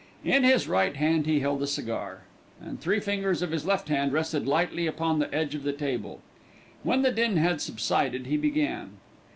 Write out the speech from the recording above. In his right hand he held a cigar, and three fingers of his left hand rested lightly upon the edge of the table. When the din had subsided he began.